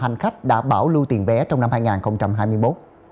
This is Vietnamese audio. hành khách đã bảo lưu tiền vé trong năm hai nghìn hai mươi một